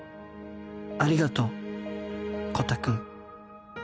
ありがとうコタくん。